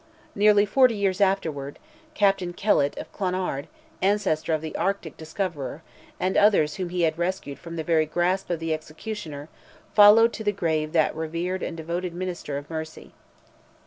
Nearly forty years afterwards, Captain Kellet, of Clonard, ancestor of the Arctic discoverer, and others whom he had rescued from the very grasp of the executioner, followed to the grave that revered and devoted minister of mercy!